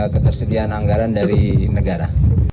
ketersediaan anggaran dari negara